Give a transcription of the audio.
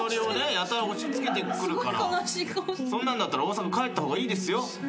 やたら押し付けてくるからそんなんだったら大阪帰った方がいいですよ。